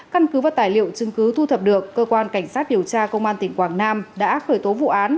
căn cứ và tài liệu chứng cứ thu thập được cơ quan cảnh sát điều tra công an tỉnh quảng nam đã khởi tố vụ án